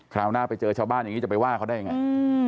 ราวหน้าไปเจอชาวบ้านอย่างนี้จะไปว่าเขาได้ยังไง